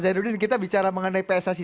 zainuddin kita bicara mengenai pssi